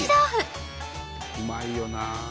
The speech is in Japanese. うまいよなあ。